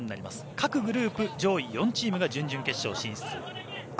各グループ上位４チームが準々決勝進出。